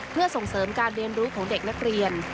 เพื่อส่งเสริมการเรียนรู้ของเด็กนักเรียน